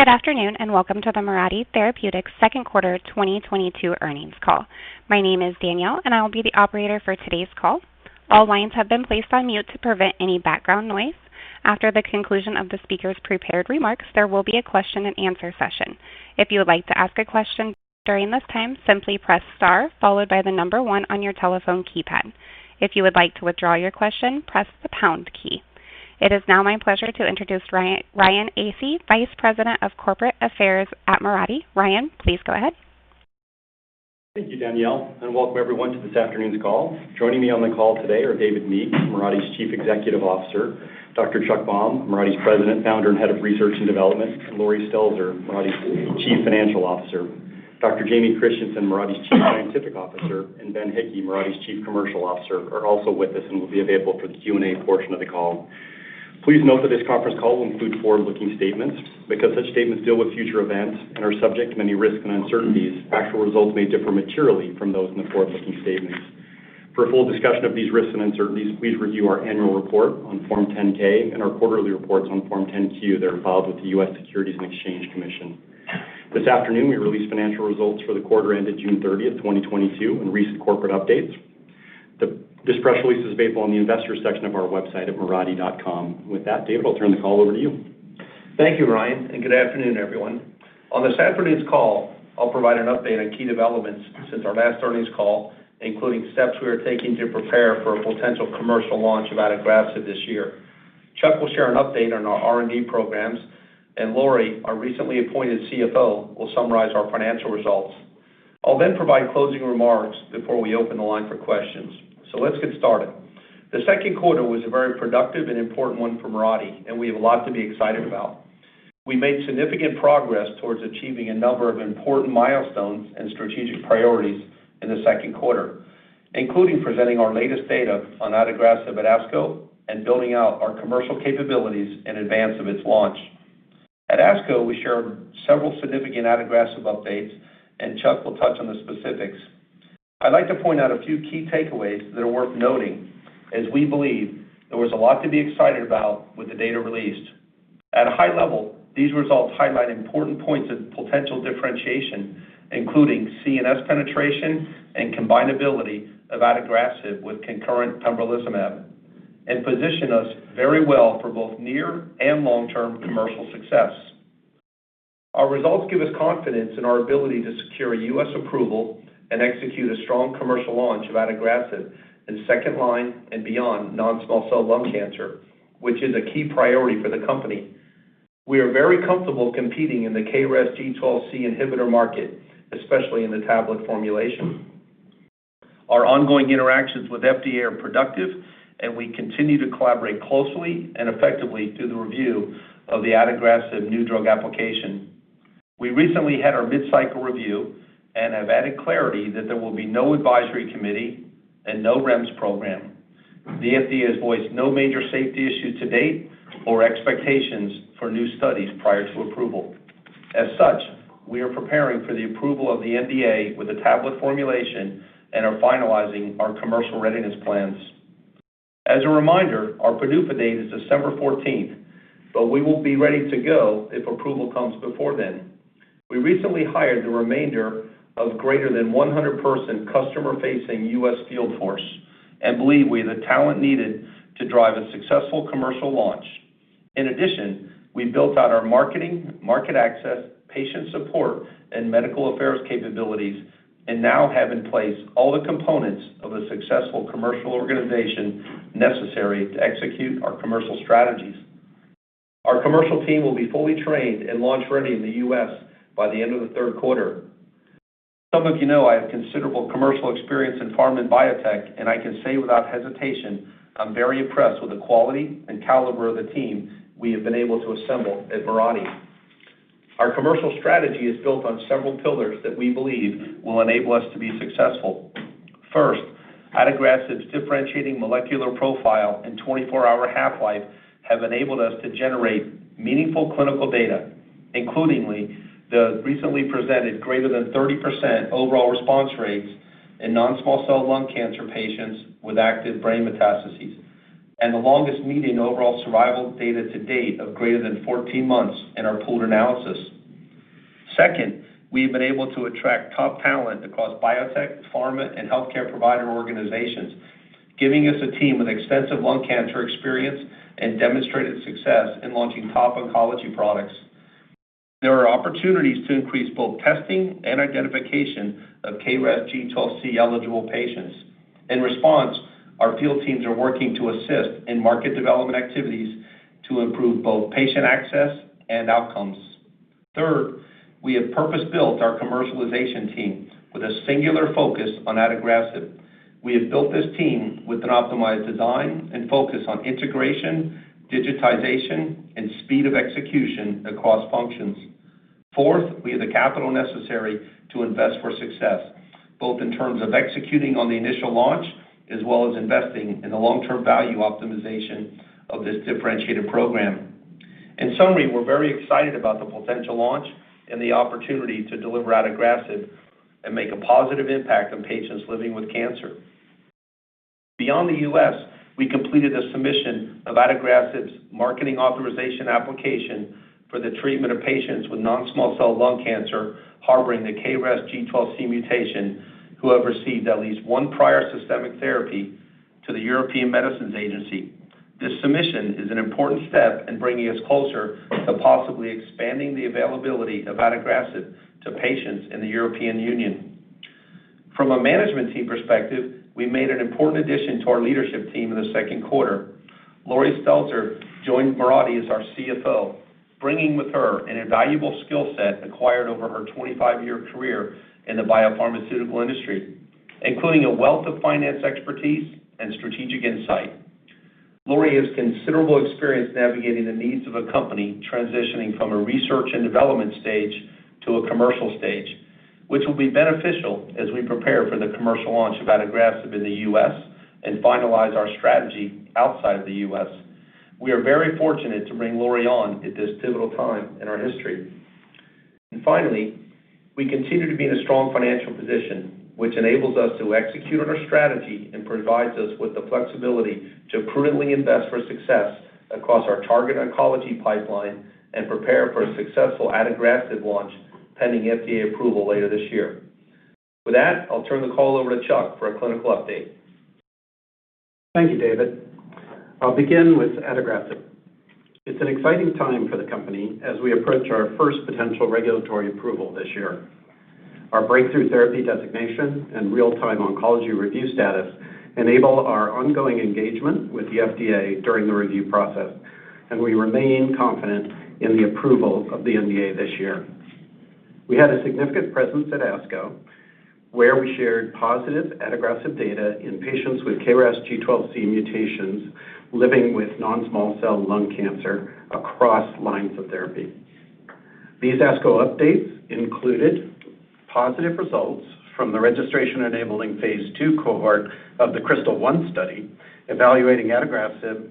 Good afternoon, and welcome to the Mirati Therapeutics Q2 2022 Earnings Call. My name is Danielle, and I will be the operator for today's call. All lines have been placed on mute to prevent any background noise. After the conclusion of the speaker's prepared remarks, there will be a question-and-answer session. If you would like to ask a question during this time, simply press star followed by the number one on your telephone keypad. If you would like to withdraw your question, press the pound key. It is now my pleasure to introduce Ryan Asay, Vice President of Corporate Affairs at Mirati Therapeutics. Ryan, please go ahead. Thank you, Danielle, and welcome everyone to this afternoon's call. Joining me on the call today are David Meek, Mirati's Chief Executive Officer, Dr. Chuck Baum, Mirati's President, Founder, and Head of Research and Development, and Laurie Stelzer, Mirati's Chief Financial Officer. Dr. Jamie Christensen, Mirati's Chief Scientific Officer, and Ben Hickey, Mirati's Chief Commercial Officer, are also with us and will be available for the Q&A portion of the call. Please note that this conference call will include forward-looking statements. Because such statements deal with future events and are subject to many risks and uncertainties, actual results may differ materially from those in the forward-looking statements. For a full discussion of these risks and uncertainties, please review our annual report on Form 10-K and our quarterly reports on Form 10-Q that are filed with the U.S. Securities and Exchange Commission. This afternoon, we released financial results for the quarter ended June 30, 2022 and recent corporate updates. This press release is available on the investors section of our website at mirati.com. With that, David, I'll turn the call over to you. Thank you, Ryan, and good afternoon, everyone. On this afternoon's call, I'll provide an update on key developments since our last earnings call, including steps we are taking to prepare for a potential commercial launch of adagrasib this year. Chuck will share an update on our R&D programs, and Laurie, our recently appointed CFO, will summarize our financial results. I'll then provide closing remarks before we open the line for questions. Let's get started. The Q2 was a very productive and important one for Mirati, and we have a lot to be excited about. We made significant progress towards achieving a number of important milestones and strategic priorities in the Q2, including presenting our latest data on adagrasib at ASCO and building out our commercial capabilities in advance of its launch. At ASCO, we shared several significant adagrasib updates, and Chuck will touch on the specifics. I'd like to point out a few key takeaways that are worth noting as we believe there was a lot to be excited about with the data released. At a high level, these results highlight important points of potential differentiation, including CNS penetration and combinability of adagrasib with concurrent pembrolizumab, and position us very well for both near and long-term commercial success. Our results give us confidence in our ability to secure U.S. approval and execute a strong commercial launch of adagrasib in second-line and beyond non-small cell lung cancer, which is a key priority for the company. We are very comfortable competing in the KRAS G12C inhibitor market, especially in the tablet formulation. Our ongoing interactions with FDA are productive, and we continue to collaborate closely and effectively through the review of the adagrasib new drug application. We recently had our mid-cycle review and have added clarity that there will be no advisory committee and no REMS program. The FDA has voiced no major safety issue to date or expectations for new studies prior to approval. As such, we are preparing for the approval of the NDA with the tablet formulation and are finalizing our commercial readiness plans. As a reminder, our PDUFA date is December 14, but we will be ready to go if approval comes before then. We recently hired the remainder of greater than 100-person customer-facing U.S. field force and believe we have the talent needed to drive a successful commercial launch. In addition, we built out our marketing, market access, patient support, and medical affairs capabilities and now have in place all the components of a successful commercial organization necessary to execute our commercial strategies. Our commercial team will be fully trained and launch-ready in the U.S. by the end of the third quarter. Some of you know I have considerable commercial experience in pharma and biotech, and I can say without hesitation I'm very impressed with the quality and caliber of the team we have been able to assemble at Mirati. Our commercial strategy is built on several pillars that we believe will enable us to be successful. First, adagrasib's differentiating molecular profile and 24-hour half-life have enabled us to generate meaningful clinical data, including the recently presented greater than 30% overall response rates in non-small cell lung cancer patients with active brain metastases and the longest median overall survival data to date of greater than 14 months in our pooled analysis. Second, we have been able to attract top talent across biotech, pharma, and healthcare provider organizations, giving us a team with extensive lung cancer experience and demonstrated success in launching top oncology products. There are opportunities to increase both testing and identification of KRAS G12C-eligible patients. In response, our field teams are working to assist in market development activities to improve both patient access and outcomes. Third, we have purpose-built our commercialization team with a singular focus on adagrasib. We have built this team with an optimized design and focus on integration, digitization, and speed of execution across functions. Fourth, we have the capital necessary to invest for success, both in terms of executing on the initial launch as well as investing in the long-term value optimization of this differentiated program. In summary, we're very excited about the potential launch and the opportunity to deliver adagrasib and make a positive impact on patients living with cancer. Beyond the U.S., we completed a submission of adagrasib's marketing authorization application for the treatment of patients with non-small cell lung cancer harboring the KRAS G12C mutation who have received at least one prior systemic therapy to the European Medicines Agency. This submission is an important step in bringing us closer to possibly expanding the availability of adagrasib to patients in the European Union. From a management team perspective, we made an important addition to our leadership team in the Q2. Laurie Stelzer joined Mirati as our CFO, bringing with her an invaluable skill set acquired over her 25 years of biopharmaceutical experience, including a wealth of finance expertise and strategic insight. Laurie has considerable experience navigating the needs of a company transitioning from a research and development stage to a commercial stage, which will be beneficial as we prepare for the commercial launch of adagrasib in the U.S. and finalize our strategy outside the U.S. We are very fortunate to bring Laurie on at this pivotal time in our history. Finally, we continue to be in a strong financial position which enables us to execute on our strategy and provides us with the flexibility to prudently invest for success across our target oncology pipeline and prepare for a successful adagrasib launch pending FDA approval later this year. With that, I'll turn the call over to Chuck for a clinical update. Thank you, David. I'll begin with adagrasib. It's an exciting time for the company as we approach our first potential regulatory approval this year. Our Breakthrough Therapy designation and Real-Time Oncology Review status enable our ongoing engagement with the FDA during the review process, and we remain confident in the approval of the NDA this year. We had a significant presence at ASCO, where we shared positive adagrasib data in patients with KRAS G12C-mutations living with non-small cell lung cancer across lines of therapy. These ASCO updates included positive results from the registration enabling Phase II cohort of the KRYSTAL-1 study, evaluating adagrasib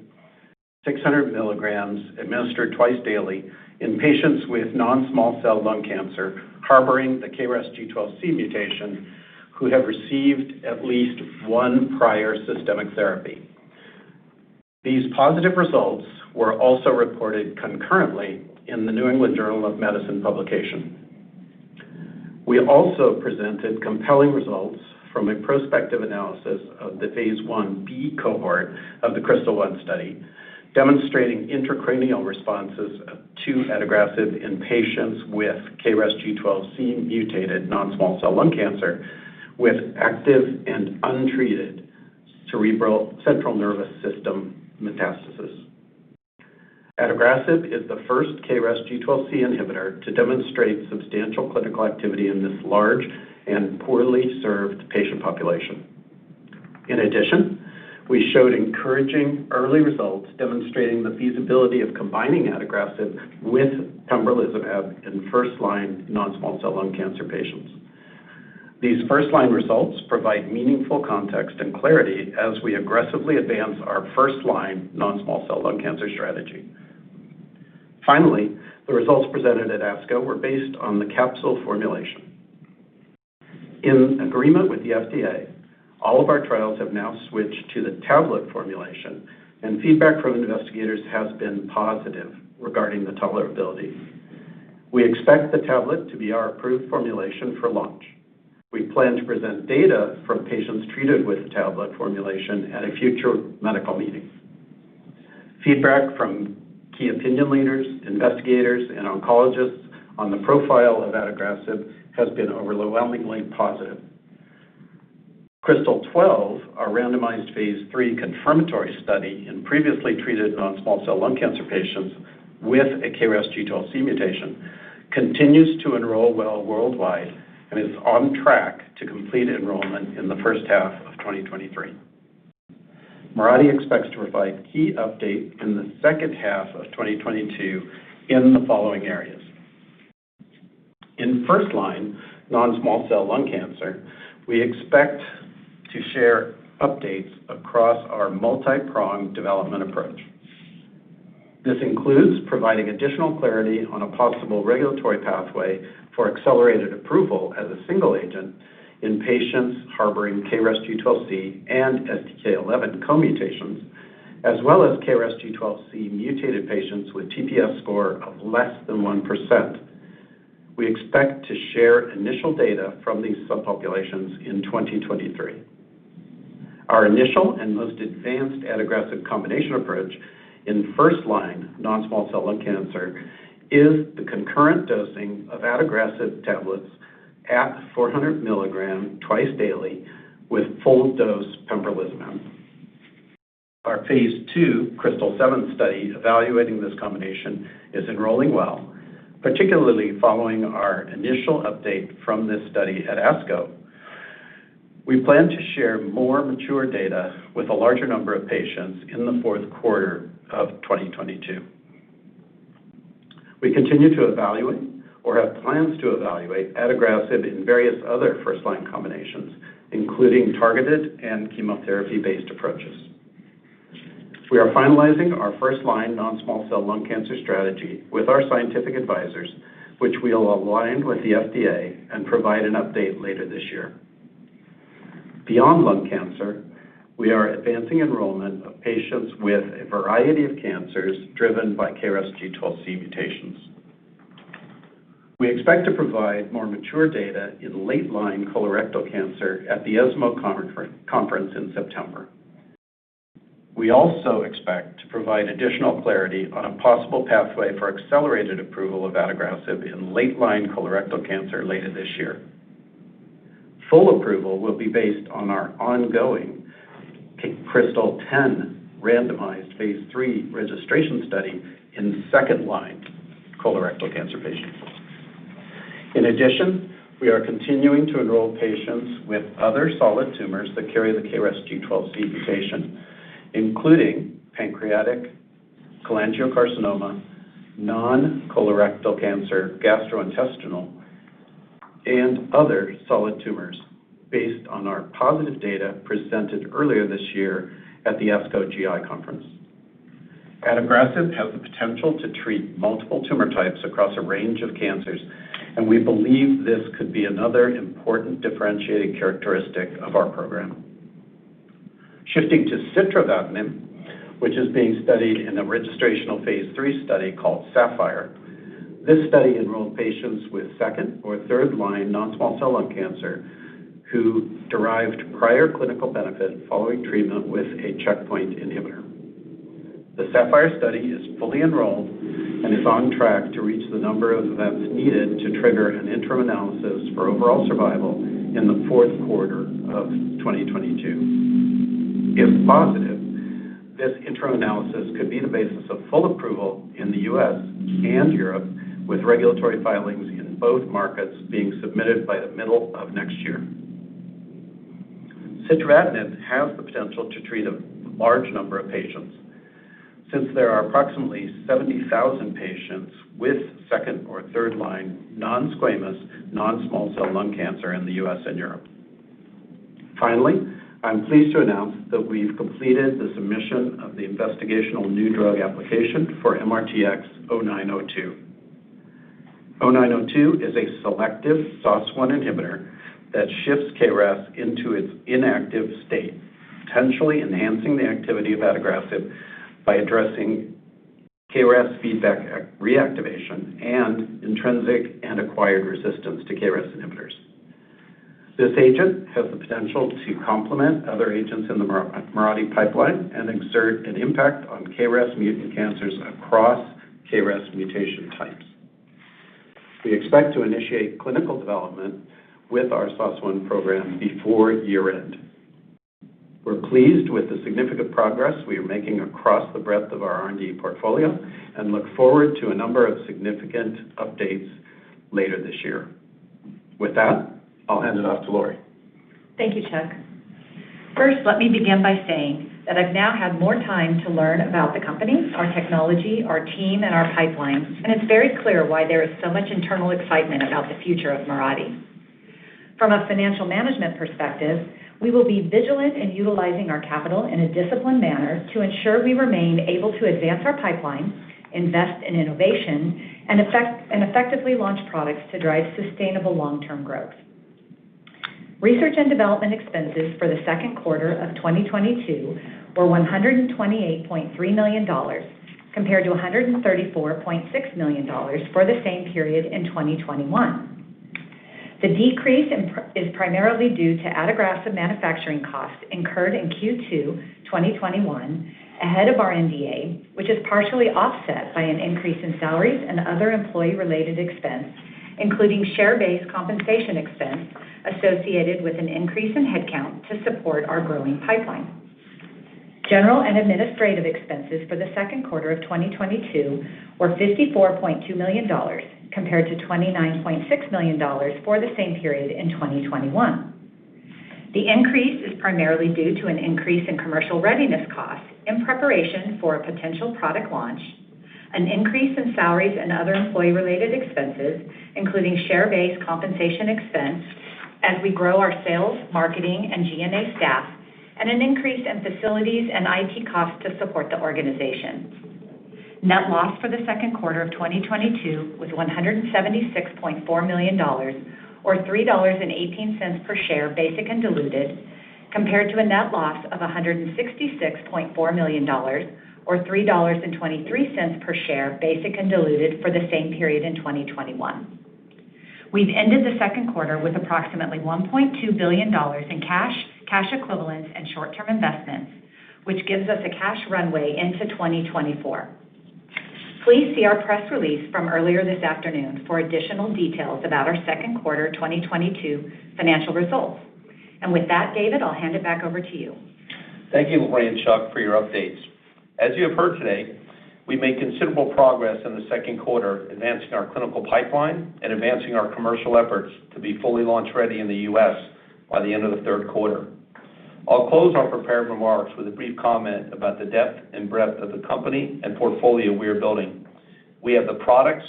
600 mg administered twice daily in patients with non-small cell lung cancer harboring the KRAS G12C mutation who have received at least one prior systemic therapy. These positive results were also reported concurrently in the New England Journal of Medicine publication. We also presented compelling results from a prospective analysis of the Phase 1B cohort of the KRYSTAL-1 study, demonstrating intracranial responses to adagrasib in patients with KRAS G12C- mutated non-small cell lung cancer with active and untreated central nervous system metastases. Adagrasib is the first KRAS G12C inhibitor to demonstrate substantial clinical activity in this large and poorly served patient population. In addition, we showed encouraging early results demonstrating the feasibility of combining adagrasib with pembrolizumab in first-line non-small cell lung cancer patients. These first-line results provide meaningful context and clarity as we aggressively advance our first-line non-small cell lung cancer strategy. Finally, the results presented at ASCO were based on the capsule formulation. In agreement with the FDA, all of our trials have now switched to the tablet formulation, and feedback from investigators has been positive regarding the tolerability. We expect the tablet to be our approved formulation for launch. We plan to present data from patients treated with the tablet formulation at a future medical meeting. Feedback from key opinion leaders, investigators, and oncologists on the profile of adagrasib has been overwhelmingly positive. KRYSTAL-12, our randomized Phase III confirmatory study in previously treated non-small cell lung cancer patients with a KRAS G12C mutation, continues to enroll well worldwide and is on track to complete enrollment in the H1 2023. Mirati expects to provide key update in the H2 2022 in the following areas. In first line non-small cell lung cancer, we expect to share updates across our multipronged development approach. This includes providing additional clarity on a possible regulatory pathway for accelerated approval as a single agent in patients harboring KRAS G12C and STK11 co-mutations, as well as KRAS G12C-mutated patients with TPS score of less than 1%. We expect to share initial data from these subpopulations in 2023. Our initial and most advanced adagrasib combination approach in first-line non-small cell lung cancer is the concurrent dosing of adagrasib tablets at 400 mg twice daily with full dose pembrolizumab. Our Phase II KRYSTAL-7 study evaluating this combination is enrolling well, particularly following our initial update from this study at ASCO. We plan to share more mature data with a larger number of patients in the Q4 2022. We continue to evaluate or have plans to evaluate adagrasib in various other first-line combinations, including targeted and chemotherapy-based approaches. We are finalizing our first-line non-small cell lung cancer strategy with our scientific advisors, which we'll align with the FDA and provide an update later this year. Beyond lung cancer, we are advancing enrollment of patients with a variety of cancers driven by KRAS G12C mutations. We expect to provide more mature data in late-line colorectal cancer at the ESMO conference in September. We also expect to provide additional clarity on a possible pathway for accelerated approval of adagrasib in late-line colorectal cancer later this year. Full approval will be based on our ongoing KRYSTAL-10 randomized Phase III registration study in second-line colorectal cancer patients. In addition, we are continuing to enroll patients with other solid tumors that carry the KRAS G12C mutation, including pancreatic cholangiocarcinoma, non-colorectal cancer, gastrointestinal, and other solid tumors based on our positive data presented earlier this year at the ASCO GI Conference. Adagrasib has the potential to treat multiple tumor types across a range of cancers, and we believe this could be another important differentiating characteristic of our program. Shifting to sitravatinib, which is being studied in a registrational Phase III study called SAPPHIRE. This study enrolled patients with second- or third-line non-small cell lung cancer who derived prior clinical benefit following treatment with a checkpoint inhibitor. The SAPPHIRE study is fully enrolled and is on track to reach the number of events needed to trigger an interim analysis for overall survival in the Q4 2022. If positive, this interim analysis could be the basis of full approval in the U.S. and Europe, with regulatory filings in both markets being submitted by the mid-next year. Adagrasib has the potential to treat a large number of patients since there are approximately 70,000 patients with second- or third-line non-squamous, non-small cell lung cancer in the U.S. and Europe. Finally, I'm pleased to announce that we've completed the submission of the investigational new drug application for MRTX0902. MRTX0902 is a selective SOS1 inhibitor that shifts KRAS into its inactive state, potentially enhancing the activity of adagrasib by addressing KRAS feedback reactivation and intrinsic and acquired resistance to KRAS inhibitors. This agent has the potential to complement other agents in the Mirati pipeline and exert an impact on KRAS-mutant cancers. We expect to initiate clinical development with our SOS1 program before year-end. We're pleased with the significant progress we are making across the breadth of our R&D portfolio and look forward to a number of significant updates later this year. With that, I'll hand it off to Laurie. Thank you, Chuck. First, let me begin by saying that I've now had more time to learn about the company, our technology, our team, and our pipeline, and it's very clear why there is so much internal excitement about the future of Mirati. From a financial management perspective, we will be vigilant in utilizing our capital in a disciplined manner to ensure we remain able to advance our pipeline, invest in innovation, and effectively launch products to drive sustainable long-term growth. Research and development expenses for the Q2 2022 were $128.3 million, compared to $134.6 million for the same period in 2021. The decrease in R&D expenses is primarily due to adagrasib manufacturing costs incurred in Q2 2021 ahead of our NDA, which is partially offset by an increase in salaries and other employee-related expense, including share-based compensation expense associated with an increase in headcount to support our growing pipeline. General and administrative expenses for the Q2 2022 were $54.2 million, compared to $29.6 million for the same period in 2021. The increase is primarily due to an increase in commercial readiness costs in preparation for a potential product launch, an increase in salaries and other employee-related expenses, including share-based compensation expense as we grow our sales, marketing, and G&A staff, and an increase in facilities and IT costs to support the organization. Net loss for the Q2 of 2022 was $176.4 million or $3.18 per share, basic and diluted, compared to a net loss of $166.4 million or $3.23 per share, basic and diluted, for the same period in 2021. We've ended the Q2 with approximately $1.2 billion in cash equivalents, and short-term investments, which gives us a cash runway into 2024. Please see our press release from earlier this afternoon for additional details about our Q2 2022 financial results. With that, David, I'll hand it back over to you. Thank you, Laurie and Charles, for your updates. As you have heard today, we made considerable progress in the Q2 advancing our clinical pipeline and advancing our commercial efforts to be fully launch-ready in the U.S. by the end of the Q3. I'll close our prepared remarks with a brief comment about the depth and breadth of the company and portfolio we are building. We have the products,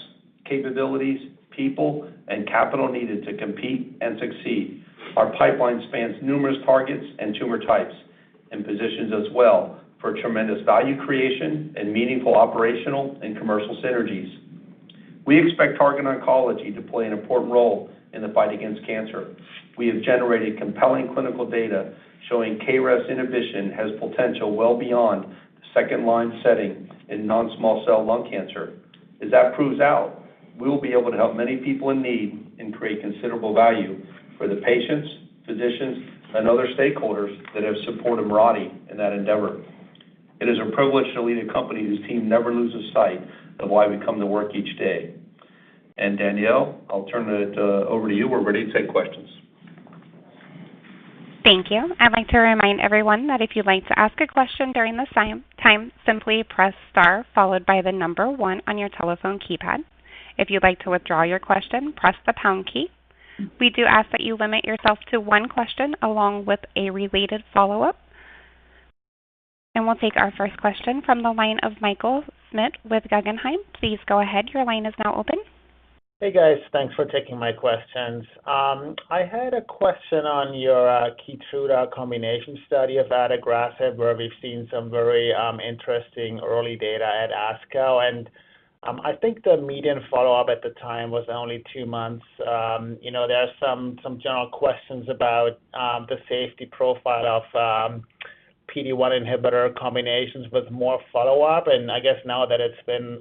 capabilities, people, and capital needed to compete and succeed. Our pipeline spans numerous targets and tumor types and positions us well for tremendous value creation and meaningful operational and commercial synergies. We expect targeted oncology to play an important role in the fight against cancer. We have generated compelling clinical data showing KRAS inhibition has potential well beyond the second line setting in non-small cell lung cancer. As that proves out, we will be able to help many people in need and create considerable value for the patients, physicians, and other stakeholders that have supported Mirati in that endeavor. It is a privilege to lead a company whose team never loses sight of why we come to work each day. Danielle, I'll turn it over to you. We're ready to take questions. Thank you. I'd like to remind everyone that if you'd like to ask a question during this time, simply press star followed by the number one on your telephone keypad. If you'd like to withdraw your question, press the pound key. We do ask that you limit yourself to one question along with a related follow-up. We'll take our first question from the line of Michael Schmidt with Guggenheim. Please go ahead. Your line is now open. Hey, guys. Thanks for taking my questions. I had a question on your Keytruda combination study, adagrasib, where we've seen some very interesting early data at ASCO. I think the median follow-up at the time was only two months. You know, there are some general questions about the safety profile of PD-1 inhibitor combinations with more follow-up. I guess now that it's been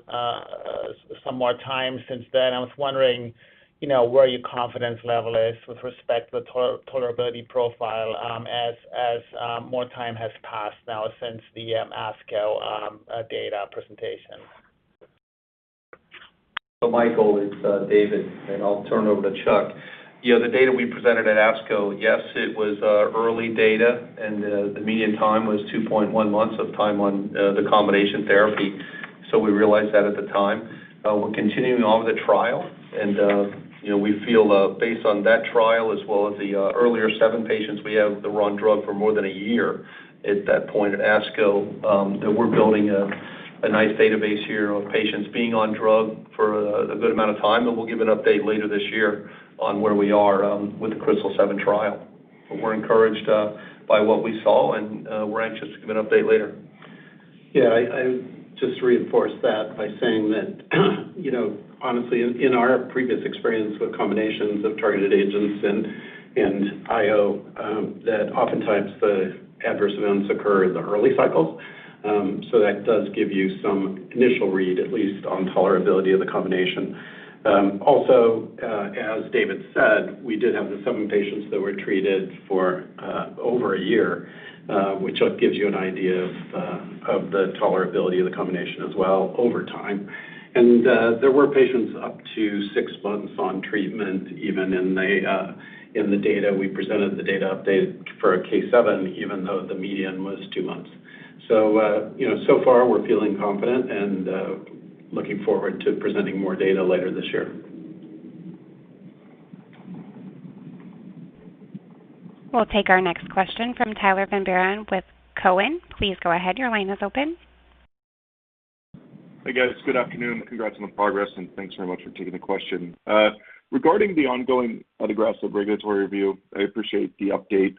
some more time since then, I was wondering, you know, where your confidence level is with respect to the tolerability profile, as more time has passed now since the ASCO data presentation. Michael, it's David, and I'll turn it over to Chuck. You know, the data we presented at ASCO, yes, it was early data, and the median time was 2.1 months of time on the combination therapy. We realized that at the time. We're continuing on with the trial and, you know, we feel based on that trial as well as the earlier seven patients we have that were on drug for more than a year at that point at ASCO, that we're building a nice database here of patients being on drug for a good amount of time. We'll give an update later this year on where we are with the KRYSTAL-7 trial. We're encouraged by what we saw and we're anxious to give an update later. Yeah, I just reinforce that by saying that, you know, honestly, in our previous experience with combinations of targeted agents and IO, that oftentimes the adverse events occur in the early cycles. That does give you some initial read, at least on tolerability of the combination. Also, as David said, we did have the seven patients that were treated for over a year, which gives you an idea of the tolerability of the combination as well over time. There were patients up to six months on treatment even in the data. We presented the data update for KRYSTAL-7, even though the median was two months. You know, so far we're feeling confident and looking forward to presenting more data later this year. We'll take our next question from Tyler Van Buren with Cowen. Please go ahead. Your line is open. Hey, guys. Good afternoon. Congrats on the progress, and thanks very much for taking the question. Regarding the ongoing adagrasib regulatory review, I appreciate the update.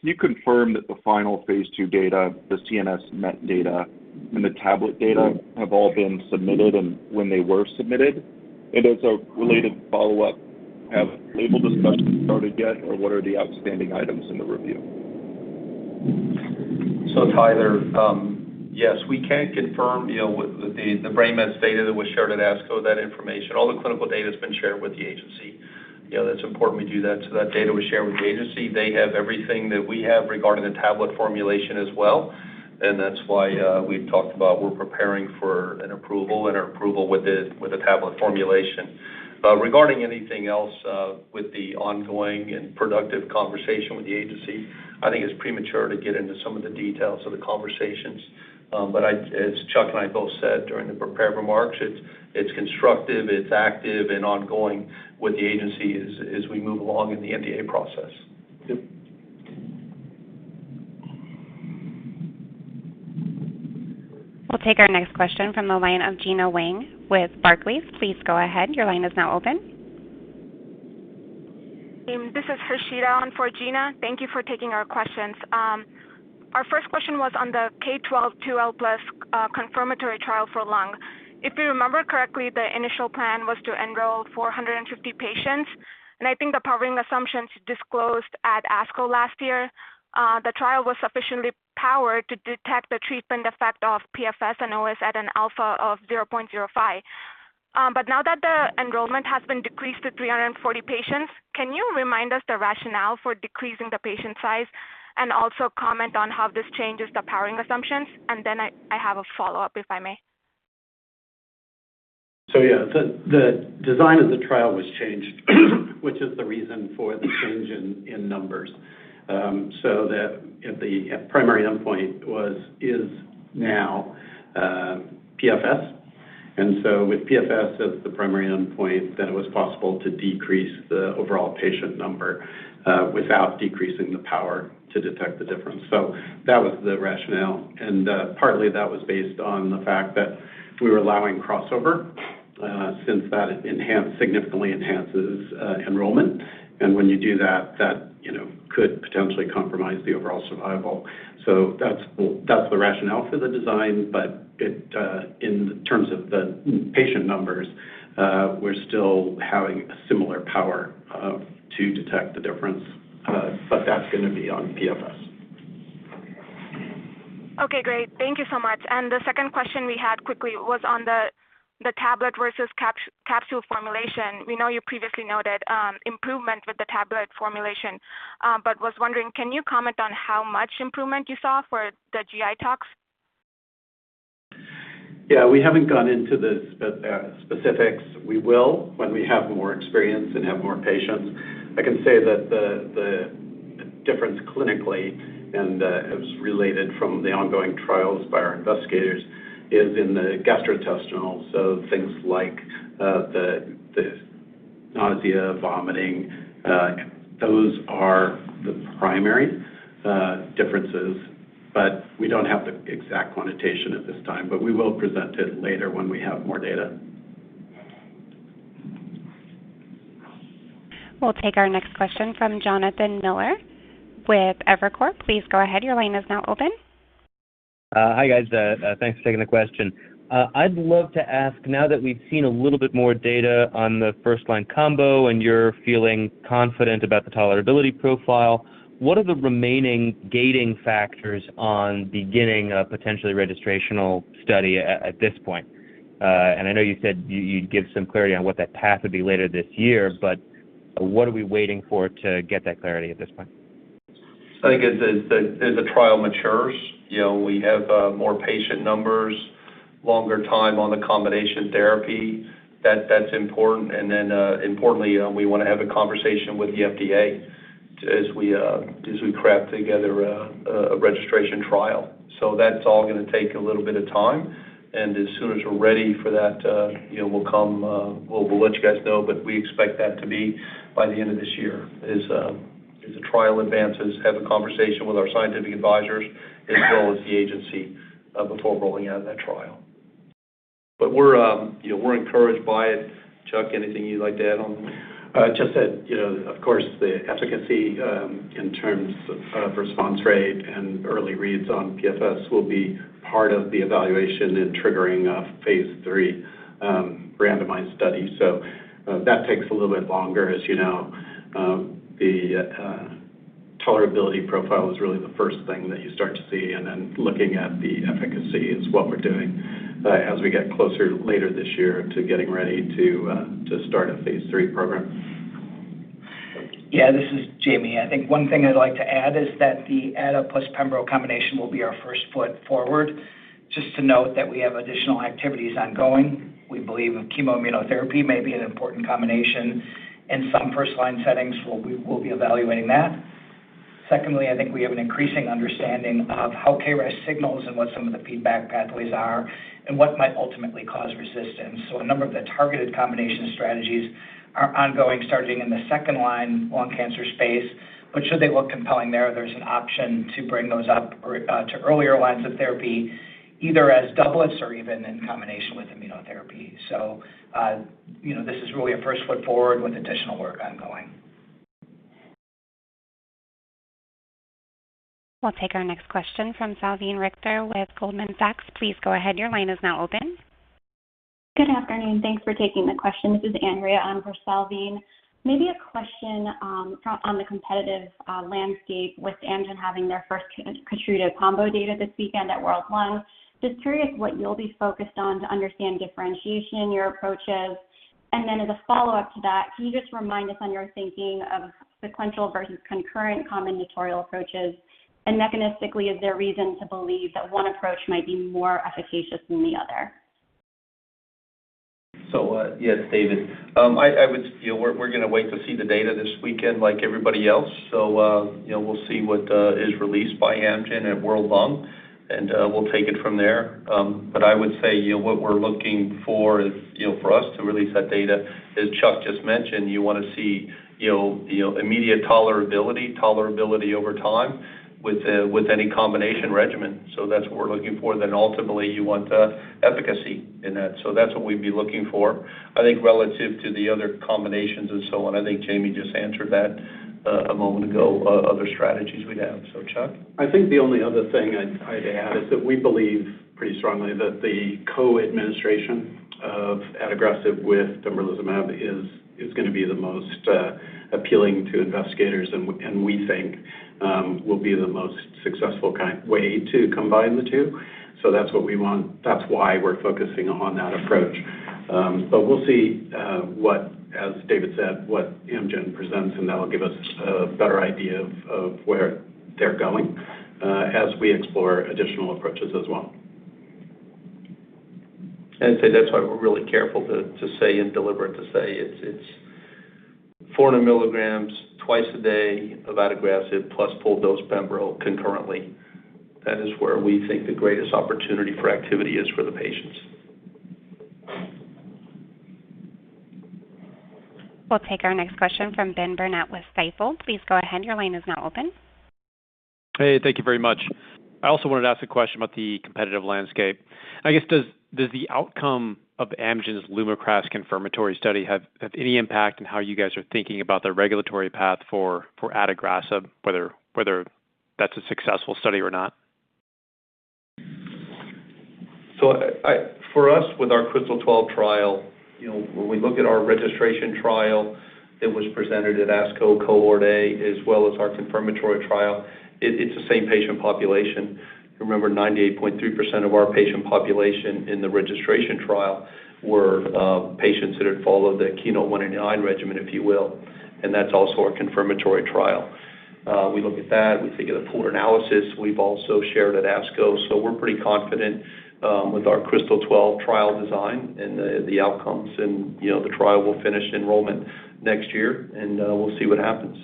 Can you confirm that the final Phase II data, the CNS mets data, and the tablet data have all been submitted and when they were submitted? As a related follow-up, have label discussions started yet, or what are the outstanding items in the review? Tyler Van Buren, yes, we can confirm, you know, with the brain mets data that was shared at ASCO, that information, all the clinical data has been shared with the agency. You know, that's important we do that, so that data was shared with the agency. They have everything that we have regarding the tablet formulation as well, and that's why we've talked about we're preparing for an approval and an approval with the tablet formulation. Regarding anything else with the ongoing and productive conversation with the agency, I think it's premature to get into some of the details of the conversations. But as Chuck Baum and I both said during the prepared remarks, it's constructive, it's active and ongoing with the agency as we move along in the NDA process. Yep. We'll take our next question from the line of Gena Wang with Barclays. Please go ahead. Your line is now open. This is Hoshida in for Gena Wang. Thank you for taking our questions. Our first question was on the KRYSTAL-12 confirmatory trial for lung. If we remember correctly, the initial plan was to enroll 450 patients, and I think the powering assumptions disclosed at ASCO last year, the trial was sufficiently powered to detect the treatment effect of PFS and OS at an alpha of 0.05. But now that the enrollment has been decreased to 340 patients, can you remind us the rationale for decreasing the patient size and also comment on how this changes the powering assumptions? Then I have a follow-up, if I may. The design of the trial was changed, which is the reason for the change in numbers. The primary endpoint is now PFS, and with PFS as the primary endpoint, then it was possible to decrease the overall patient number without decreasing the power to detect the difference. That was the rationale. Partly that was based on the fact that we were allowing crossover since that significantly enhances enrollment. When you do that you know could potentially compromise the overall survival. That's the rationale for the design, but in terms of the patient numbers, we're still having a similar power to detect the difference, but that's gonna be on PFS. Okay, great. Thank you so much. The second question we had quickly was on the tablet versus capsule formulation. We know you previously noted improvement with the tablet formulation, but was wondering, can you comment on how much improvement you saw for the gastrointestinal toxicity? Yeah, we haven't gone into the specifics. We will when we have more experience and have more patients. I can say that the difference clinically and as related from the ongoing trials by our investigators is in the gastrointestinal, so things like the nausea, vomiting, those are the primary differences. But we don't have the exact quantitation at this time, but we will present it later when we have more data. We'll take our next question from Jonathan Miller with Evercore. Please go ahead. Your line is now open. Hi, guys. Thanks for taking the question. I'd love to ask now that we've seen a little bit more data on the first-line combo, and you're feeling confident about the tolerability profile, what are the remaining gating factors on beginning a potentially registrational study at this point? I know you said you'd give some clarity on what that path would be later this year, but what are we waiting for to get that clarity at this point? I think as the trial matures, you know, we have more patient numbers, longer time on the combination therapy. That's important. Importantly, we wanna have a conversation with the FDA as we craft together a registration trial. That's all gonna take a little bit of time. As soon as we're ready for that, you know, we'll let you guys know, but we expect that to be by the end of this year. As the trial advances, have a conversation with our scientific advisors as well as the agency before rolling out that trial. We're encouraged by it. Chuck, anything you'd like to add on? Just that, you know, of course, the efficacy in terms of response rate and early reads on PFS will be part of the evaluation in triggering a Phase III randomized study. That takes a little bit longer, as you know. The tolerability profile is really the first thing that you start to see and then looking at the efficacy is what we're doing as we get closer later this year to getting ready to start Phase III program. Yeah, this is Jamie. I think one thing I'd like to add is that the adagrasib plus pembrolizumab combination will be our first foot forward. Just to note that we have additional activities ongoing. We believe chemoimmunotherapy may be an important combination. In some first-line settings, we will be evaluating that. Secondly, I think we have an increasing understanding of how KRAS signals and what some of the feedback pathways are and what might ultimately cause resistance. A number of the targeted combination strategies are ongoing, starting in the second-line lung cancer space. Should they look compelling there's an option to bring those up to earlier lines of therapy, either as doublets or even in combination with immunotherapy. You know, this is really a first foot forward with additional work ongoing. We'll take our next question from Salveen Richter with Goldman Sachs. Please go ahead. Your line is now open. Good afternoon. Thanks for taking the question. This is Andrea on for Salveen. Maybe a question on the competitive landscape with Amgen having their first Keytruda combo data this weekend at World Lung. Just curious what you'll be focused on to understand differentiation, your approaches. As a follow-up to that, can you just remind us on your thinking of sequential versus concurrent combinatorial approaches? Mechanistically, is there reason to believe that one approach might be more efficacious than the other? Yes, David. I would, you know, we're gonna wait to see the data this weekend like everybody else. You know, we'll see what is released by Amgen at World Lung, and we'll take it from there. I would say, you know, what we're looking for is, you know, for us to release that data, as Chuck just mentioned, you wanna see, you know, immediate tolerability over time with any combination regimen. That's what we're looking for. Ultimately, you want efficacy in that. That's what we'd be looking for. I think relative to the other combinations and so on, I think Jamie just answered that a moment ago, other strategies we'd have. Chuck? I think the only other thing I'd add is that we believe pretty strongly that the co-administration of adagrasib with pembrolizumab is gonna be the most appealing to investigators and we think will be the most successful key way to combine the two. That's what we want. That's why we're focusing on that approach. We'll see what, as David said, Amgen presents, and that'll give us a better idea of where they're going as we explore additional approaches as well. I'd say that's why we're really careful to say it's 400 mg twice a day of adagrasib plus full dose pembrolizumab concurrently. That is where we think the greatest opportunity for activity is for the patients. We'll take our next question from Benjamin Burnett with Stifel. Please go ahead. Your line is now open. Hey, thank you very much. I also wanted to ask a question about the competitive landscape. I guess, does the outcome of Amgen's LUMAKRAS confirmatory study have any impact on how you guys are thinking about the regulatory path for adagrasib, whether that's a successful study or not? For us, with our KRYSTAL-12 trial, you know, when we look at our registration trial that was presented at ASCO Cohort A as well as our confirmatory trial, it's the same patient population. Remember, 98.2% of our patient population in the registration trial were patients that had followed the KEYNOTE-189 regimen, if you will, and that's also our confirmatory trial. We look at that, we think of the pooled analysis we've also shared at ASCO. We're pretty confident with our KRYSTAL-12 trial design and the outcomes and, you know, the trial will finish enrollment next year and we'll see what happens.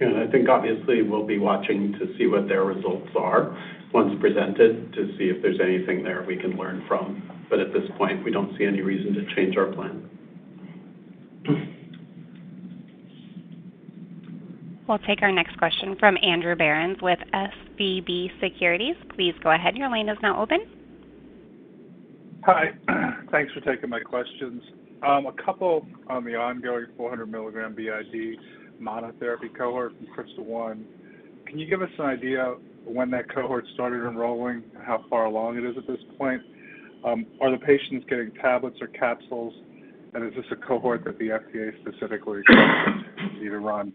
I think obviously we'll be watching to see what their results are once presented to see if there's anything there we can learn from. At this point, we don't see any reason to change our plan. We'll take our next question from Andrew Berens with SVB Securities. Please go ahead. Your line is now open. Hi. Thanks for taking my questions. A couple on the ongoing 400 mg BID monotherapy cohort from KRYSTAL-1. Can you give us an idea when that cohort started enrolling, how far along it is at this point? Are the patients getting tablets or capsules? And is this a cohort that the FDA specifically need to run?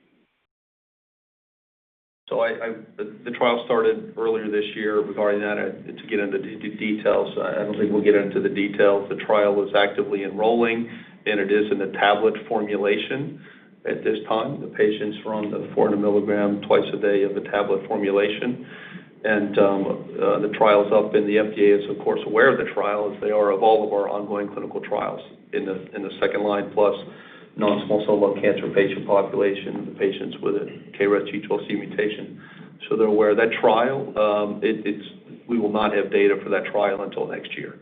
The trial started earlier this year. Regarding that, to get into details, I don't think we'll get into the details. The trial is actively enrolling, and it is in a tablet formulation at this time. The patients are on the 400 mg twice a day of the tablet formulation. The trial's up, and the FDA is, of course, aware of the trial as they are of all of our ongoing clinical trials in the second-line plus non-small cell lung cancer patient population, the patients with a KRAS G12C mutation. They're aware of that trial. We will not have data for that trial until next year.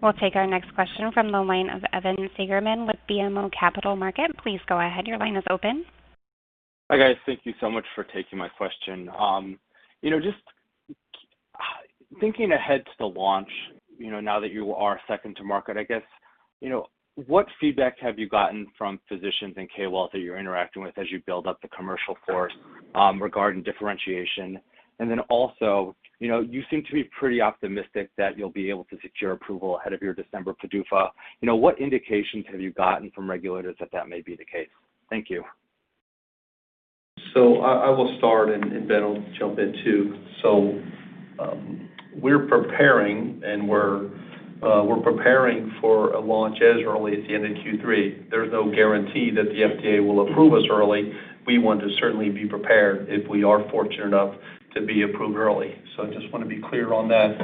We'll take our next question from the line of Evan Seigerman with BMO Capital Markets. Please go ahead. Your line is open. Hi, guys. Thank you so much for taking my question. You know, just thinking ahead to the launch, you know, now that you are second to market, I guess, you know, what feedback have you gotten from physicians and KOLs that you're interacting with as you build up the commercial corps, regarding differentiation? You know, you seem to be pretty optimistic that you'll be able to get your approval ahead of your December PDUFA. You know, what indications have you gotten from regulators that that may be the case? Thank you. I will start and Ben will jump in too. We're preparing for a launch as early as the end of Q3. There's no guarantee that the FDA will approve us early. We want to certainly be prepared if we are fortunate enough to be approved early. I just wanna be clear on that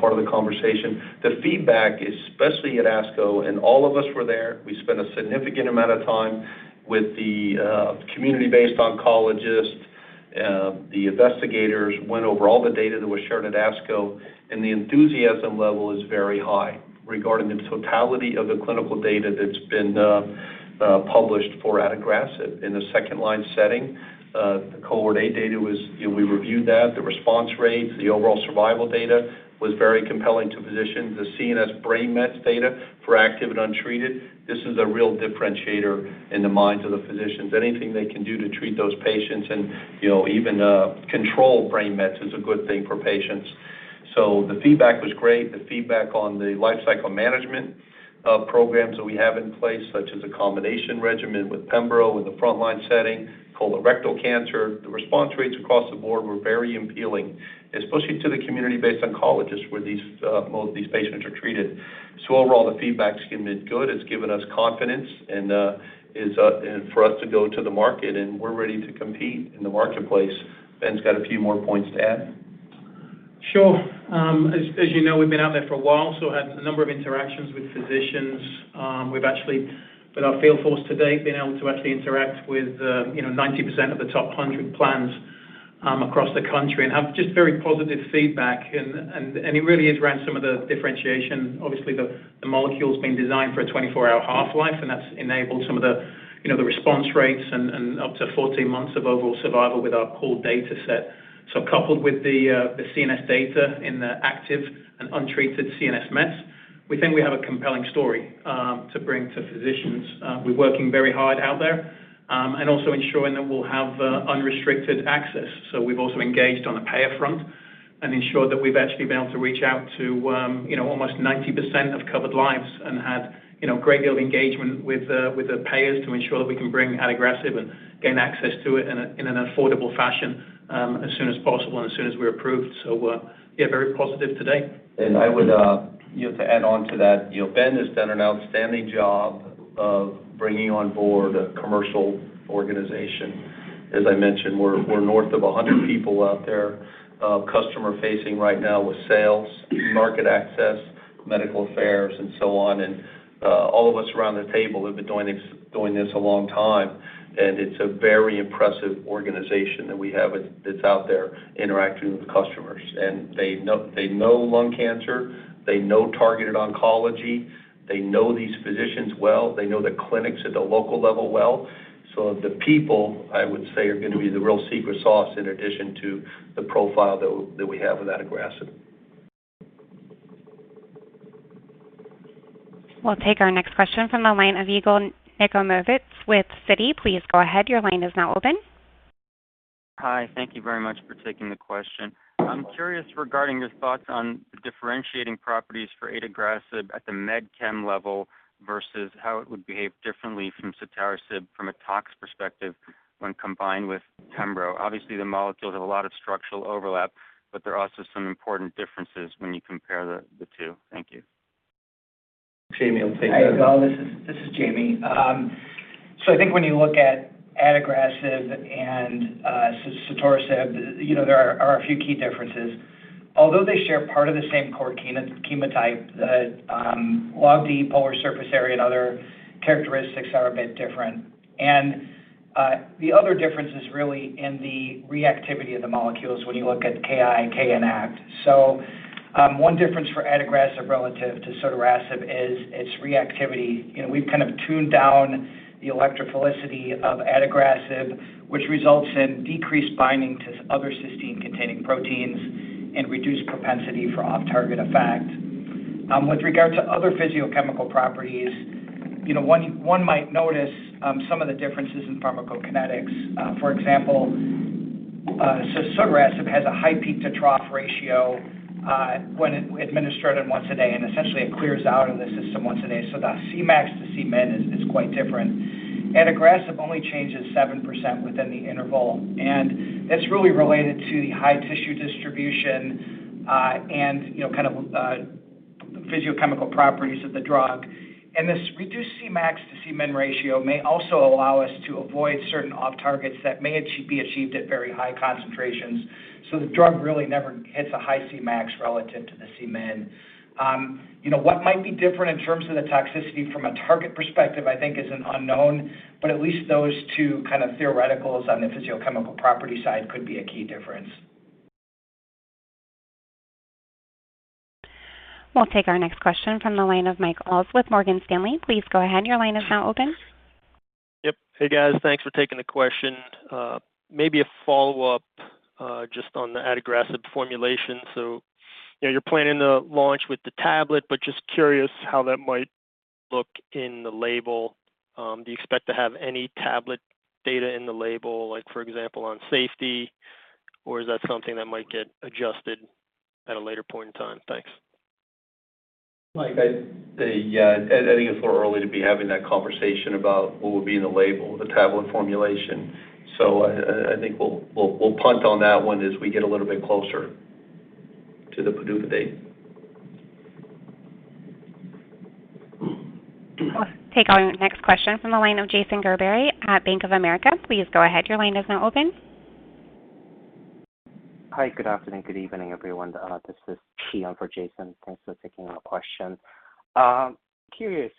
part of the conversation. The feedback, especially at ASCO, and all of us were there. We spent a significant amount of time with the community-based oncologist. The investigators went over all the data that was shared at ASCO, and the enthusiasm level is very high regarding the totality of the clinical data that's been published for adagrasib in the second-line setting. The Cohort A data was. We reviewed that. The response rates, the overall survival data was very compelling to physicians. The CNS mets data for active and untreated, this is a real differentiator in the minds of the physicians. Anything they can do to treat those patients and, you know, even control brain mets is a good thing for patients. The feedback was great. The feedback on the lifecycle management programs that we have in place, such as a combination regimen with pembrolizumab in the frontline setting, colorectal cancer, the response rates across the board were very appealing, especially to the community-based oncologists where these most of these patients are treated. Overall, the feedback's been good. It's given us confidence and for us to go to the market, and we're ready to compete in the marketplace. Ben's got a few more points to add. Sure. As you know, we've been out there for a while, we've had a number of interactions with physicians. We've actually, with our field force to date, been able to actually interact with, you know, 90% of the top 100 plans, across the country and have just very positive feedback. It really is around some of the differentiation. Obviously, the molecule's been designed for a 24-hour half-life, and that's enabled some of the, you know, the response rates and up to 14 months of overall survival with our core dataset. Coupled with the CNS data in the active and untreated CNS mets, we think we have a compelling story to bring to physicians. We're working very hard out there and also ensuring that we'll have unrestricted access. We've also engaged on the payer front. Ensure that we've actually been able to reach out to, you know, almost 90% of covered lives and had, you know, a great deal of engagement with the payers to ensure that we can bring adagrasib and gain access to it in an affordable fashion, as soon as possible and as soon as we're approved. Yeah, very positive today. I would, you know, to add on to that, you know, Ben has done an outstanding job of bringing on board a commercial organization. As I mentioned, we're north of 100 people out there, customer-facing right now with sales, market access, medical affairs, and so on. All of us around the table have been doing this a long time, and it's a very impressive organization that we have that's out there interacting with customers. They know lung cancer, they know targeted oncology, they know these physicians well, they know the clinics at the local level well. The people, I would say, are gonna be the real secret sauce in addition to the profile that we have of adagrasib. We'll take our next question from the line of Yigal Nochomovitz with Citi. Please go ahead, your line is now open. Hi. Thank you very much for taking the question. I'm curious regarding your thoughts on differentiating properties for adagrasib at the medicinal chemistry level versus how it would behave differently from sotorasib particularly when combined with pembrolizumab. Obviously, the molecules have a lot of structural overlap, but there are also some important differences when you compare the two. Thank you. Jamie will take that. Hi, Yigal Nochomovitz. This is Jamie. I think when you look at adagrasib and sotorasib, you know, there are a few key differences. Although they share part of the same core chemotype, the LogD polar surface area, and other characteristics are a bit different. The other difference is really in the reactivity of the molecules when you look at Ki and kinact. One difference for adagrasib relative to sotorasib is its reactivity. You know, we've kind of tuned down the electrophilicity of adagrasib, which results in decreased binding to other cysteine-containing proteins and reduced propensity for off-target effect. With regard to other physicochemical properties, you know, one might notice some of the differences in pharmacokinetics. For example, sotorasib has a high peak-to-trough ratio, when administered once a day, and essentially it clears out of the system once a day. The Cmax-to-Cmin is quite different. Adagrasib only changes 7% within the interval, and that's really related to the high tissue distribution, and, you know, kind of, the physicochemical properties of the drug. This reduced Cmax-to-Cmin ratio may also allow us to avoid certain off targets that may be achieved at very high concentrations. The drug really never hits a high Cmax relative to the Cmin. You know, what might be different in terms of the toxicity from a target perspective, I think, is an unknown, but at least those two kind of theoreticals on the physicochemical property side could be a key difference. We'll take our next question from the line of Mike Wilson with Morgan Stanley. Please go ahead, your line is now open. Hey, guys. Thanks for taking the question. Maybe a follow-up, just on the adagrasib formulation. You know, you're planning to launch with the tablet, but just curious how that might look in the label. Do you expect to have any tablet data in the label, like, for example, on safety, or is that something that might get adjusted at a later point in time? Thanks. Mike, I'd say, yeah, I think it's a little early to be having that conversation about what will be in the label of the tablet formulation. I think we'll punt on that one as we get a little bit closer to the PDUFA date. We'll take our next question from the line of Jason Gerberry at Bank of America. Please go ahead, your line is now open. Hi. Good afternoon, good evening, everyone. This is Chi on for Jason. Thanks for taking our question. Curious,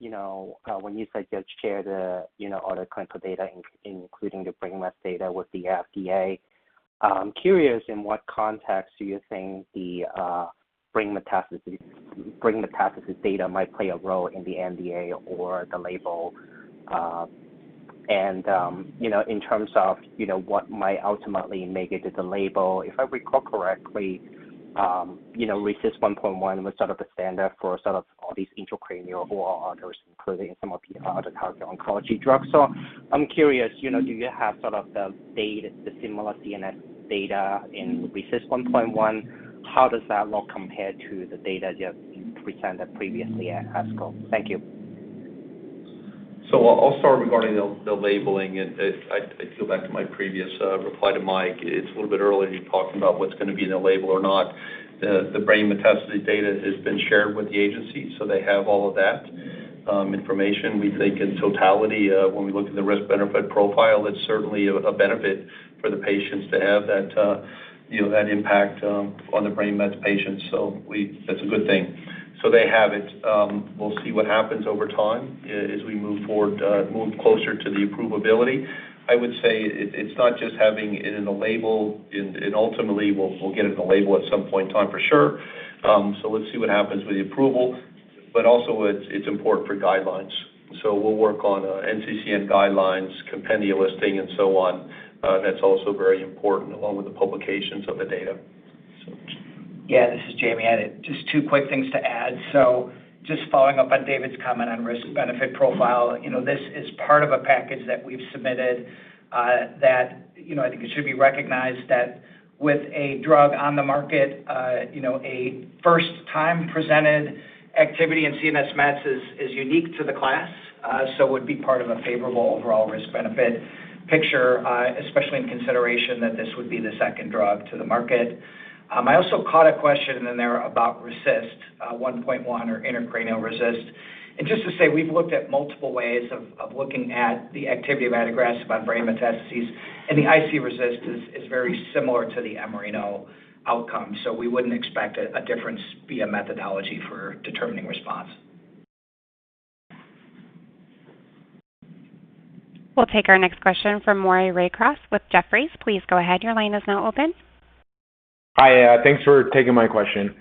you know, when you said you'd share the, you know, all the clinical data including the brain mets data with the FDA, curious in what context do you think the brain metastases data might play a role in the NDA or the label? You know, in terms of, you know, what might ultimately make it to the label, if I recall correctly, you know, RECIST 1.1 was sort of the standard for sort of all these intracranial or others, including some of the other targeted oncology drugs. I'm curious, you know, do you have sort of the data, the similar CNS data in RECIST 1.1?How does that look compared to the data you have presented previously at ASCO? Thank you. I'll start regarding the labeling. I fall back to my previous reply to Mike. It's a little bit early to be talking about what's gonna be in the label or not. The brain metastasis data has been shared with the agency, so they have all of that information. We think in totality, when we look at the risk-benefit profile, it's certainly a benefit for the patients to have that, you know, that impact on the brain mets patients. That's a good thing. They have it. We'll see what happens over time, as we move forward, move closer to the approvability. I would say it's not just having it in the label, and ultimately we'll get it in the label at some point in time, for sure. Let's see what happens with the approval. Also it's important for guidelines. We'll work on NCCN guidelines, compendia listing, and so on, that's also very important, along with the publications of the data. Yeah, this is Jamie. I had just two quick things to add. Just following up on David's comment on risk-benefit profile. You know, this is part of a package that we've submitted, that, you know, I think it should be recognized that with a drug on the market, you know, a first-time presented activity in CNS mets is unique to the class, so would be part of a favorable overall risk-benefit picture, especially in consideration that this would be the second drug to the market. I also caught a question in there about RECIST 1.1 or intracranial RECIST. Just to say, we've looked at multiple ways of looking at the activity of adagrasib on brain metastases, and the iRECIST is very similar to the mRANO outcome, so we wouldn't expect a difference via methodology for determining response. We'll take our next question from Mohit Bansal with Wells Fargo. Please go ahead. Your line is now open. Hi, thanks for taking my question.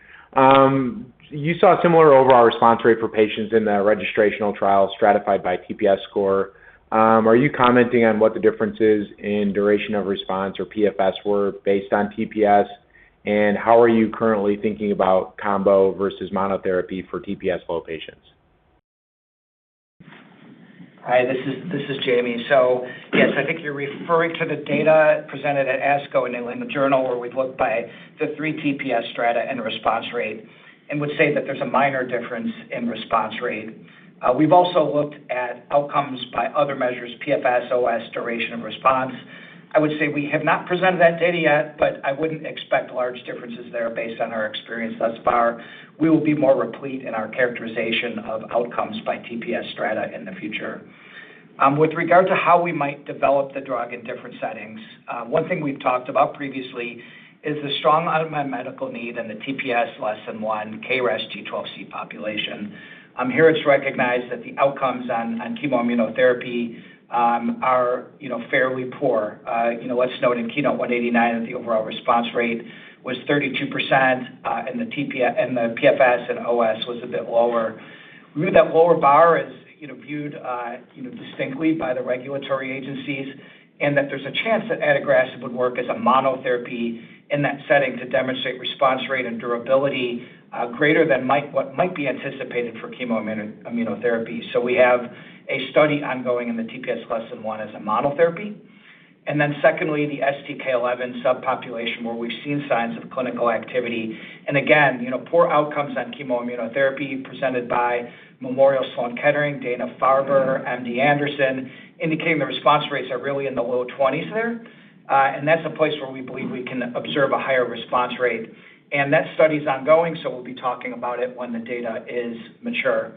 You saw a similar overall response rate for patients in the registrational trial stratified by TPS score. Are you commenting on what the difference is in duration of response or PFS were based on TPS, and how are you currently thinking about combo versus monotherapy for TPS low patients? Hi, this is Jamie. Yes, I think you're referring to the data presented at ASCO and in the journal where we've looked by the three TPS strata and response rate and would say that there's a minor difference in response rate. We've also looked at outcomes by other measures, PFS, OS, duration of response. I would say we have not presented that data yet, but I wouldn't expect large differences there based on our experience thus far. We will be more replete in our characterization of outcomes by TPS strata in the future. With regard to how we might develop the drug in different settings, one thing we've talked about previously is the strong unmet medical need and the TPS less than 1 KRAS G12C population. Here it's recognized that the outcomes on chemo immunotherapy are, you know, fairly poor. You know, what's noted in KEYNOTE-189 is the overall response rate was 32%, and the PFS and OS was a bit lower. We knew that lower bar is, you know, viewed, you know, distinctly by the regulatory agencies and that there's a chance that adagrasib would work as a monotherapy in that setting to demonstrate response rate and durability, greater than what might be anticipated for chemo immunotherapy. We have a study ongoing in the TPS less than 1 as a monotherapy. Then secondly, the STK11 subpopulation where we've seen signs of clinical activity. Again, you know, poor outcomes on chemoimmunotherapy presented by Memorial Sloan Kettering, Dana-Farber, MD Anderson, indicating the response rates are really in the low 20s% there. That's a place where we believe we can observe a higher response rate. That study's ongoing, so we'll be talking about it when the data is mature.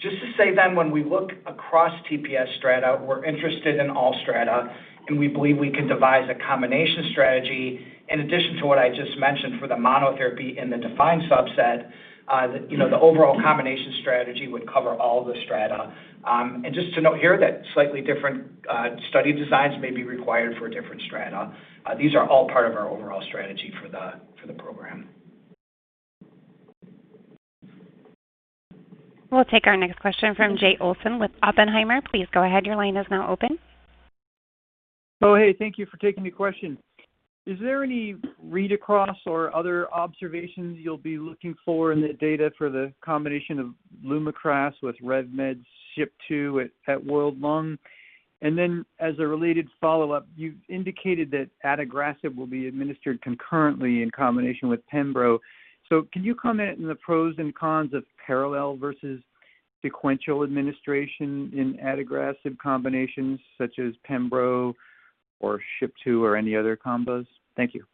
Just to say then, when we look across TPS strata, we're interested in all strata, and we believe we can devise a combination strategy in addition to what I just mentioned for the monotherapy in the defined subset. You know, the overall combination strategy would cover all the strata. Just to note here that slightly different study designs may be required for a different strata. These are all part of our overall strategy for the program. We'll take our next question from Jay Olson with Oppenheimer. Please go ahead. Your line is now open. Oh, hey. Thank you for taking the question. Is there any read-across or other observations you'll be looking for in the data for the combination of LUMAKRAS with RevMeds SHP2 at World Lung? As a related follow-up, you indicated that adagrasib will be administered concurrently in combination with pembrolizumab. Can you comment on the pros and cons of parallel versus sequential administration in adagrasib combinations such as pembrolizumab or SHP2 or any other combos? Thank you.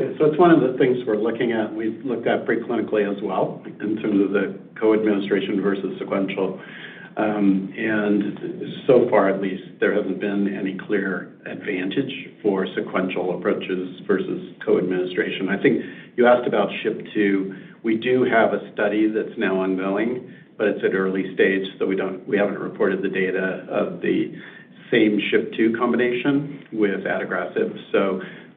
It's one of the things we're looking at. We've looked at preclinically as well in terms of the co-administration versus sequential. So far at least, there hasn't been any clear advantage for sequential approaches versus co-administration. I think you asked about SHP2. We do have a study that's now ongoing, but it's at early stage, so we haven't reported the data of the same SHP2 combination with adagrasib.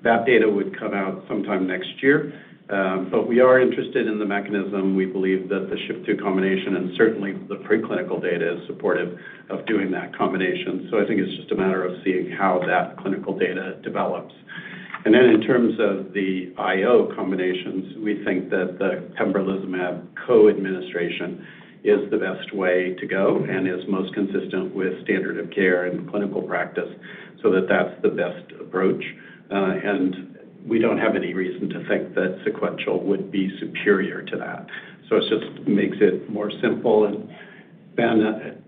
That data would come out sometime next year. But we are interested in the mechanism. We believe that the SHP2 combination and certainly the preclinical data is supportive of doing that combination. I think it's just a matter of seeing how that clinical data develops. In terms of the IO combinations, we think that the pembrolizumab co-administration is the best way to go and is most consistent with standard of care and clinical practice so that that's the best approach. We don't have any reason to think that sequential would be superior to that. It just makes it more simple. Ben,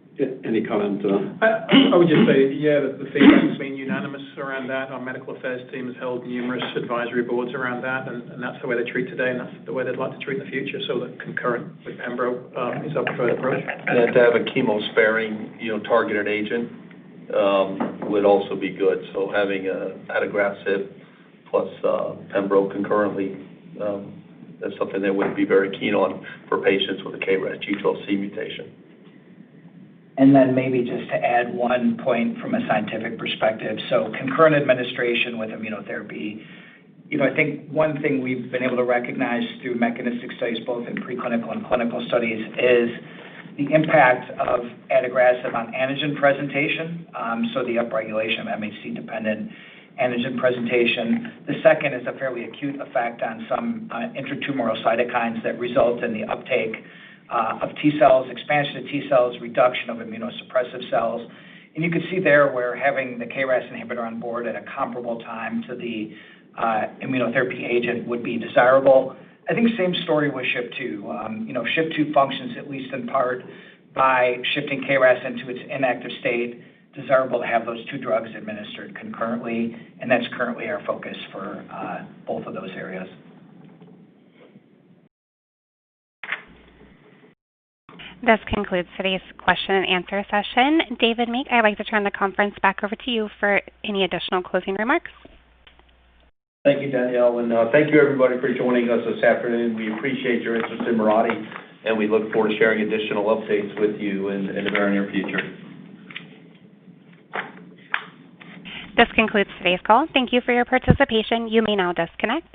any comment on that? I would just say, yeah, that the feedback's been unanimous around that. Our medical affairs team has held numerous advisory boards around that, and that's the way they treat today, and that's the way they'd like to treat in the future. The concurrent with pembrolizumab is our preferred approach. To have a chemo-sparing, you know, targeted agent would also be good. Having adagrasib plus pembrolizumab concurrently is something that we'd be very keen on for patients with a KRAS G12C mutation. Maybe just to add one point from a scientific perspective. Concurrent administration with immunotherapy. You know, I think one thing we've been able to recognize through mechanistic studies both in preclinical and clinical studies is the impact of adagrasib on antigen presentation, so the upregulation of MHC-dependent antigen presentation. The second is a fairly acute effect on some intra-tumoral cytokines that result in the uptake of T-cells, expansion of T-cells, reduction of immunosuppressive cells. You can see there where having the KRAS inhibitor on board at a comparable time to the immunotherapy agent would be desirable. I think same story with SHP2. You know, SHP2 functions at least in part by shifting KRAS into its inactive state, desirable to have those two drugs administered concurrently, and that's currently our focus for both of those areas. This concludes today's question and answer session. David Meek, I'd like to turn the conference back over to you for any additional closing remarks. Thank you, Danielle. Thank you everybody for joining us this afternoon. We appreciate your interest in Mirati, and we look forward to sharing additional updates with you in the very near future. This concludes today's call. Thank you for your participation. You may now disconnect.